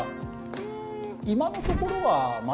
うーん今のところはまだ。